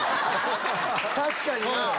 確かにな。